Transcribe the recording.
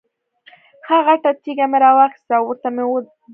ښه غټه تیږه مې را واخسته او ورته مې یې وډباړه.